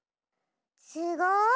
すごい！